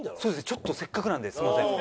ちょっとせっかくなんですみません。